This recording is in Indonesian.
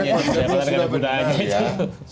enggak sudah pokoknya saya mengatakan kebenarannya